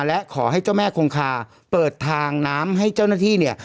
และขอให้เจ้าแม่คงคาเปิดทางน้ำให้เจ้าหน้าที่เนี่ย